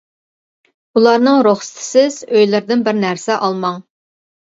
ئۇلارنىڭ رۇخسىتىسىز ئۆيلىرىدىن بىر نەرسە ئالماڭ.